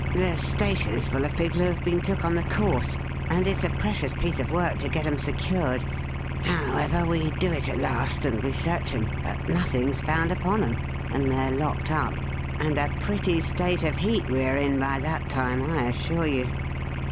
The station 's full of people, who have been took on the course ; and it 's a precious piece of work to get 'em secured. However, we do it at last, and we search 'em ; but nothing 's found upon 'em, and they 're locked up ; and a pretty state of heat we are in by that time, I assure you